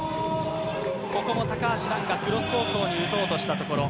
ここも高橋藍がクロス方向に打とうとしたところ。